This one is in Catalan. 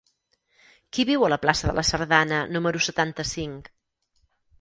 Qui viu a la plaça de la Sardana número setanta-cinc?